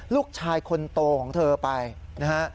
ลูกชายคนโตของเธอไปนะฮะ